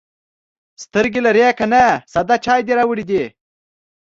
_سترګې لرې که نه، ساده چای دې راوړی دی.